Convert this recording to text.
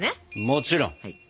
もちろん！